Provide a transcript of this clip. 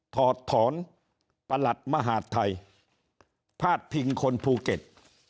ถอดถอนประหลัดมหาดไทยพาดพิงคนภูเก็ต